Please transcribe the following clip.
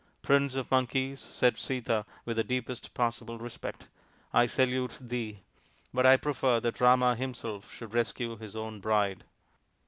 " Prince of Monkeys," said Sita with the deepest possible respect, " I salute thee. But I prefer that Rama himself should rescue his own bride."